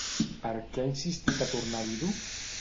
Per què ha insistit a tornar a dir-ho?